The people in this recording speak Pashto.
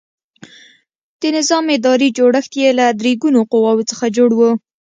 د نظام اداري جوړښت یې له درې ګونو قواوو څخه جوړ و.